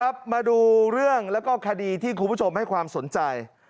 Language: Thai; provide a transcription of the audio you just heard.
มาดูเรื่องแล้วก็คดีที่คุณผู้ชมให้ความสนใจ